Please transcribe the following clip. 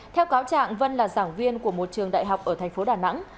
theo cáo trạng vân là giảng viên của một trường đại học ở thành phố đà nẵng